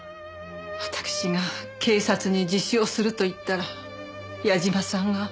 わたくしが警察に自首をすると言ったら矢嶋さんが。